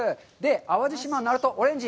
淡路島なるとオレンジ。